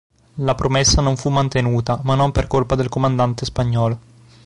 La promessa non fu mantenuta, ma non per colpa del comandante spagnolo.